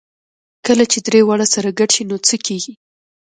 کله چې درې واړه سره ګډ شي نو څه کېږي؟